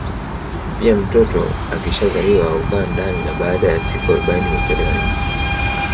Pia mtoto akishazaliwa hukaa ndani na baada ya siku arobaini hutolewa nje